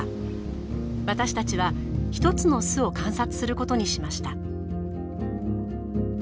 私たちは一つの巣を観察することにしました。